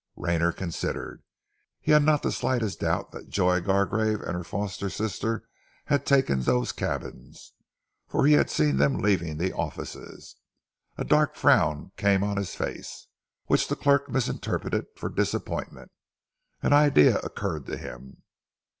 Rayner considered. He had not the slightest doubt that Joy Gargrave and her foster sister had taken those cabins, for he had seen them leaving the offices. A dark frown came on his face, which the clerk misinterpreted for disappointment. An idea occurred to him.